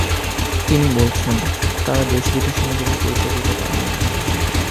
তিনি বলেছেন, তাঁরা দেশে বিদেশে নিজেদের পরিচয় দিতে পারেন না।